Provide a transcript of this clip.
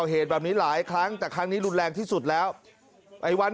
เหตุแบบนี้หลายครั้งแต่ครั้งนี้รุนแรงที่สุดแล้วไอ้วัน